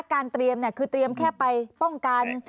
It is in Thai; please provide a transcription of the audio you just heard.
การเตรียมคือเตรียมแค่ไปป้องกัน